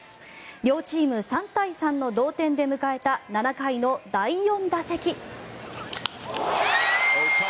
両チーム３対３の同点で迎えた７回の第４打席。